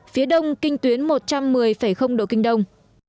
phía đông kinh tuyến một trăm một mươi độ kinh đông